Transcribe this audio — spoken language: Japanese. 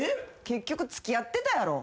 結局付き合ってたやろ？